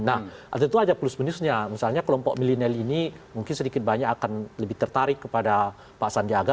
nah tentu saja plus minusnya misalnya kelompok milenial ini mungkin sedikit banyak akan lebih tertarik kepada pak sandiaga